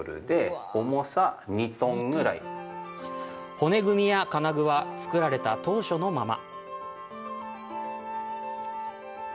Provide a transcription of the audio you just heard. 骨組みや金具は造られた当初のまま。